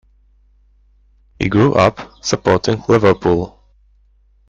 He grew up supporting Liverpool.